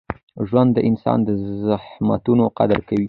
ژوند د انسان د زحمتونو قدر کوي.